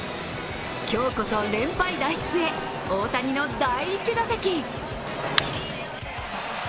今日こそ連敗脱出へ、大谷の第１打席。